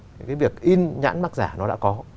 cái việc in nhãn mạc giả nó đã có